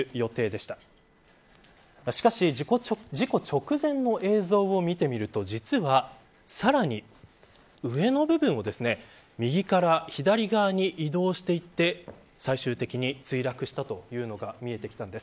しかし事故直前の映像を見てみると実は、さらに上の部分を右から左側に移動していって最終的に墜落したというのが見えてきたんです。